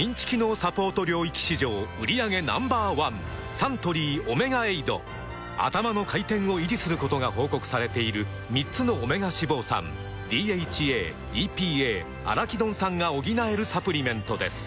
サントリー「オメガエイド」「アタマの回転」を維持することが報告されている３つのオメガ脂肪酸ＤＨＡ・ＥＰＡ・アラキドン酸が補えるサプリメントです